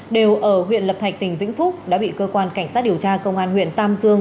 đều ở huyện lập thạch tỉnh vĩnh phúc đã bị cơ quan cảnh sát điều tra công an huyện tam dương